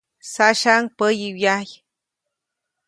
Saʼsyaʼuŋ päyi wyajy.